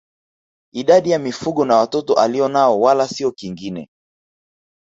Idadi ya mifugo na watoto alionao wala sio kingine